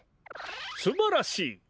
すばらしい！